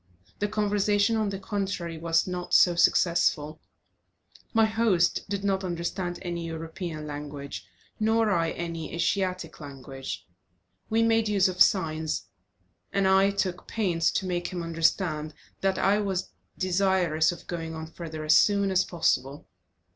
The conversation, on the contrary, was not so successful; my host did not understand any European language, nor I any Asiatic language. We made use of signs, and I took pains to make him understand that I was desirous of going on further as soon as possible.